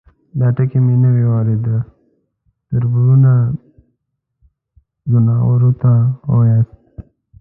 _دا ټکی مې نوی واورېد، تربرونه ، ځناورو ته واياست؟